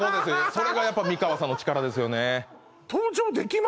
それが美川さんの力ですよね